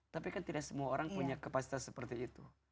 tapi kan tidak semua orang punya kapasitas seperti itu